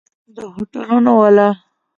د هوټلونو والا!